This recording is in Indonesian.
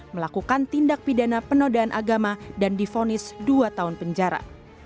melakukan tindak pidana penodaan agama dan difonis dua tahun penjara